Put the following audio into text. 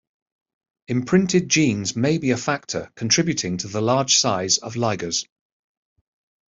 Imprinted genes may be a factor contributing to the large size of ligers.